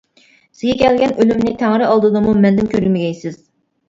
سىزگە كەلگەن ئۆلۈمنى تەڭرى ئالدىدىمۇ مەندىن كۆرمىگەيسىز.